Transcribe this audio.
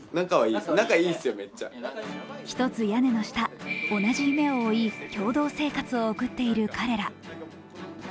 一つ屋根の下、同じ夢を追い共同生活を送っている彼ら。